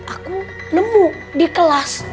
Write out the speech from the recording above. aku nemu di kelas